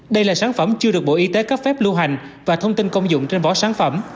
đây là sản phẩm chưa được bộ y tế cấp phép lưu hành và thông tin công dụng trên bỏ sản phẩm